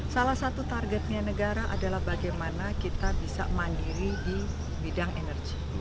salah satu targetnya negara adalah bagaimana kita bisa mandiri di bidang energi